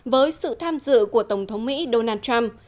với sự tham dự của tổng thống mỹ donald trump